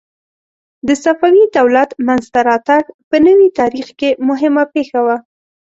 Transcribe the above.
د صفوي دولت منځته راتګ په نوي تاریخ کې مهمه پېښه وه.